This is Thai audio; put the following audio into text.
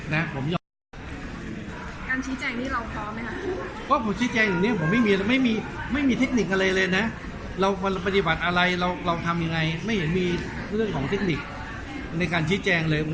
นะครับผมยอมการชี้แจงที่เราพร้อมไหมครับว่าผมชี้แจงอย่างนี้ผมไม่มีอะไรไม่มีไม่มีเทคนิคอะไรเลยนะเราปฏิบัติอะไรเราเราทำยังไงไม่เห็นมีเรื่องของเทคนิคในการชี้แจงเลย